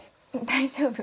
大丈夫。